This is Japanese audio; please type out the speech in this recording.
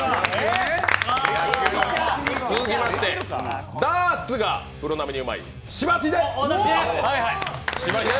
続きまして、ダーツがプロ並みにうまいしばひで。